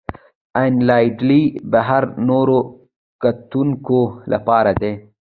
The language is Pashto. ان له ډلې بهر نورو کتونکو لپاره ده.